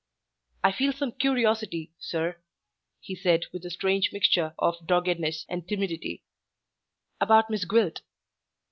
"I feel some curiosity sir," he said, with a strange mixture of doggedness and timidity, "about Miss Gwilt."